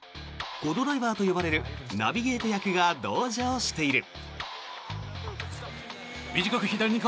コ・ドライバーと呼ばれるナビゲート役が同乗している。